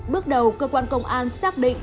bước đầu cơ quan công an xác định